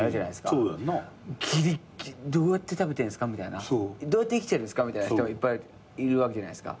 ぎりっぎりどうやって食べてんすかみたいなどうやって生きてるんすかって人もいっぱいいるわけじゃないですか。